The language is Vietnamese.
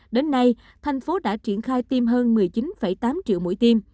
đến nay thành phố đã triển khai tiêm hơn một mươi chín tám triệu mũi tiêm